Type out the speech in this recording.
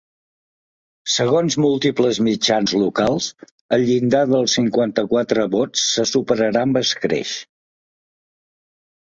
Segons múltiples mitjans locals, el llindar dels cinquanta-quatre vots se superarà amb escreix.